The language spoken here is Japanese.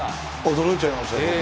驚いちゃいましたよ。